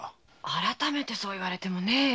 改めてそう言われてもね。